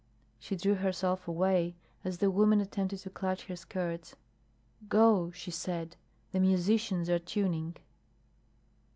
She drew herself away as the woman attempted to clutch her skirts. "Go," she said. "The musicians are tuning."